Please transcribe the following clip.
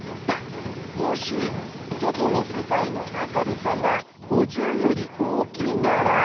「もし『外の世界の明るさ』が５０より大きいなら」